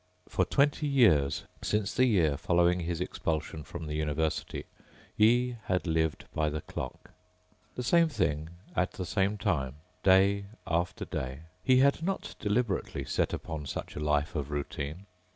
For twenty years, since the year following his expulsion from the university, he had lived by the clock. The same thing, at the same time, day after day. He had not deliberately set upon such a life of routine.